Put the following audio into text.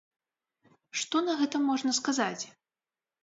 Што на гэта можна сказаць?